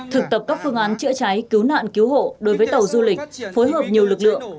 thực tập các phương án chữa cháy cứu nạn cứu hộ đối với tàu du lịch phối hợp nhiều lực lượng